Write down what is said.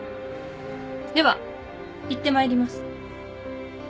ではいってまいります。